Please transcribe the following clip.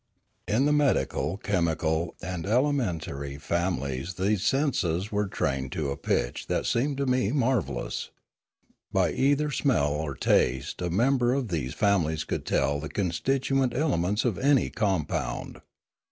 In the medical, chemical, and alimentary families these senses were trained to a pitch that seemed to me marvellous. By either smell or taste a member of these families could tell the constituent elements of any compound.